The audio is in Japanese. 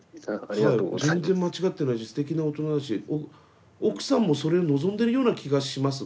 はい全然間違ってないしすてきな大人だし奥さんもそれを望んでるような気がします